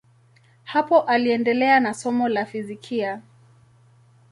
Hapo aliendelea na somo la fizikia.